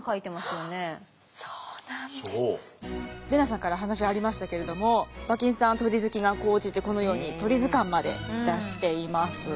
怜奈さんから話ありましたけれども馬琴さんは鳥好きが高じてこのように鳥図鑑まで出しています。